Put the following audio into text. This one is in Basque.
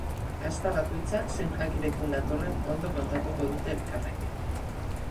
Gazta bakoitza zein jakirekin datorren ondo kontatuko dute elkarrekin.